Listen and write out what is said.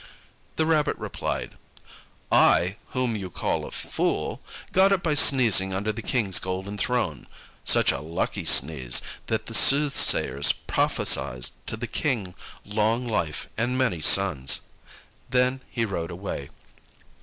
The Rabbit replied, "I, whom you call a fool, got it by sneezing under the King's golden throne; such a lucky sneeze, that the soothsayers prophesied to the King long life and many sons!" Then he rode away.